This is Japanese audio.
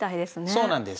そうなんです。